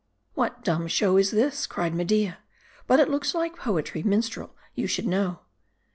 '"What dumb show is this?" cried Media. "But.it looks like poetry : minstrel, you should know."